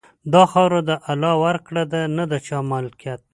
دا خاوره د الله ورکړه ده، نه د چا ملکیت.